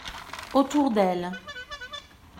Autour d’elle.